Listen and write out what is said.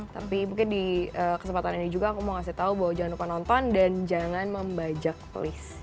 tapi mungkin di kesempatan ini juga aku mau ngasih tau bahwa jangan lupa nonton dan jangan membajak list